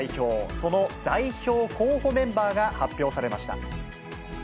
その代表候補メンバーが発表されました。